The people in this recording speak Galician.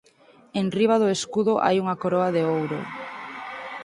Enriba do escudo hai unha coroa de ouro.